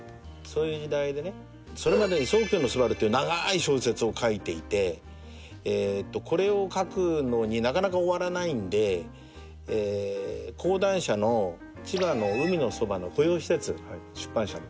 それまでに『蒼穹の昴』って長い小説を書いていてこれを書くのになかなか終わらないんで講談社の千葉の海のそばの保養施設出版社の。